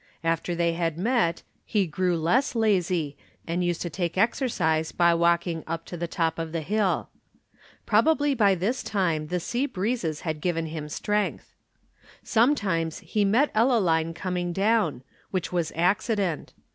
After they had met, he grew less lazy and used to take exercise by walking up to the top of the hill. Probably by this time the sea breezes had given him strength. Sometimes he met Ellaline coming down; which was accident.